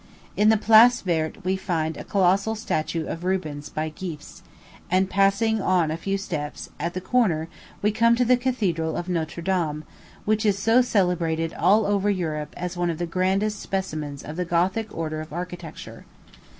In the Place Verte we find a colossal statue of Rubens by Geefs; and passing on a few steps, at the corner we come to the Cathedral of Notre Dame, which is so celebrated all over Europe as one of the grandest specimens of the Gothic order of architecture.